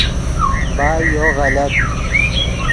بائے یو غلط